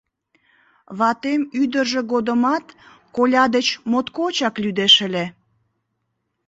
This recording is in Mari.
Ватем ӱдыржӧ годымат коля деч моткочак лӱдеш ыле.